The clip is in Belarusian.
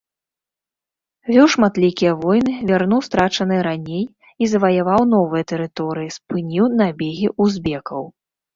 Вёў шматлікія войны, вярнуў страчаныя раней і заваяваў новыя тэрыторыі, спыніў набегі узбекаў.